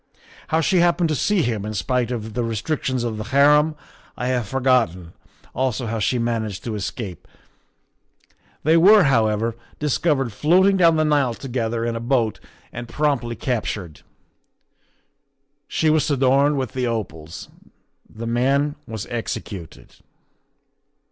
How she happened to see him, in spite of the restrictions of the harem, I have forgotten, also how she managed to escape. They were, however, discovered floating down the Nile together in a boat and promptly captured; she was adorned with the opals. The man was executed."